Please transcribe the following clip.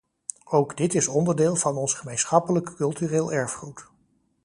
Ook dit is onderdeel van ons gemeenschappelijk cultureel erfgoed.